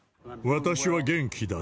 私は元気だ。